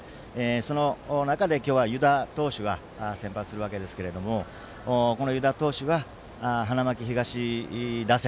その中で、今日は湯田投手が先発するわけですけれども湯田投手は花巻東打線。